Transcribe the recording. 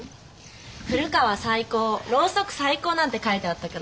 「古川最高ろうそく最高」なんて書いてあったけど。